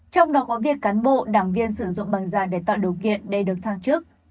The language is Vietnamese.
trong đó có việc cán bộ đảng viên sử dụng bằng già để tạo điều kiện để được thăng trức